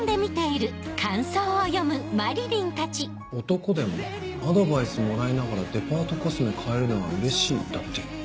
「男でもアドバイスもらいながらデパートコスメ買えるのはうれしい」だって。